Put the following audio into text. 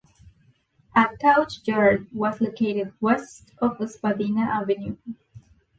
A coach yard was located west of Spadina Avenue.